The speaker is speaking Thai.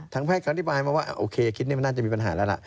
แพทย์ก็อธิบายมาว่าโอเคคลิปนี้มันน่าจะมีปัญหาแล้วล่ะ